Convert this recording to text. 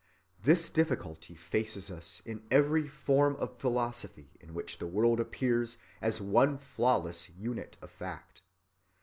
This difficulty faces us in every form of philosophy in which the world appears as one flawless unit of fact.